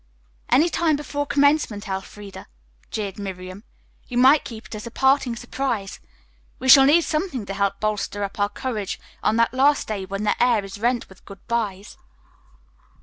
"Any time before commencement, Elfreda," jeered Miriam. "You might keep it as a parting surprise. We shall need something to help bolster up our courage on that last day when the air is rent with good byes."